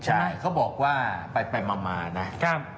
ใช่เขาบอกว่าไปมานะ